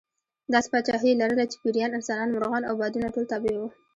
داسې پاچاهي یې لرله چې پېریان، انسانان، مرغان او بادونه ټول تابع وو.